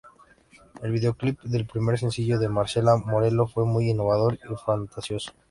El videoclip del primer sencillo de Marcela Morelo fue muy innovador y fantasioso.